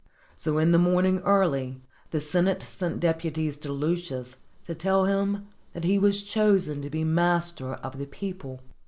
So in the morning early the Senate sent deputies to Lucius to tell him that he was chosen to be master of the people.